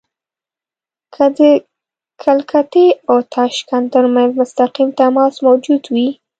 که د کلکتې او تاشکند ترمنځ مستقیم تماس موجود وي.